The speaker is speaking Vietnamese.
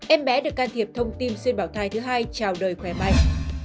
em bé được can thiệp thông tin xuyên bảo thai thứ hai trào đời khỏe mạnh